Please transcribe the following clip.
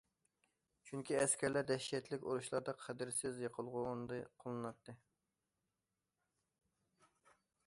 چۈنكى ئەسكەرلەر دەھشەتلىك ئۇرۇشلاردا قەدىرسىز يېقىلغۇ ئورنىدا قوللىنىلاتتى.